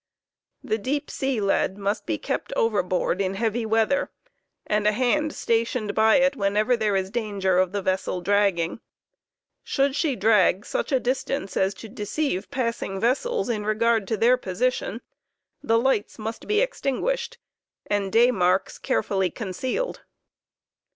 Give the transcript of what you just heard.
The deep sea lead must be kept overboard in heavy weather, and a hand 8 *' stationed by it whenever there is danger of the vessel dragging ; should she drag such a distance as to deceive passing vessels in regard to their position, the lights must be extinguished and day marks carefully concealed.